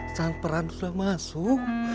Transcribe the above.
san peran sudah masuk